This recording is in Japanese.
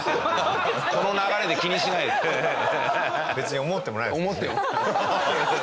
別に思ってもないですけどね。